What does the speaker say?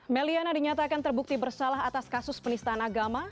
may liana dinyatakan terbukti bersalah atas kasus penistaan agama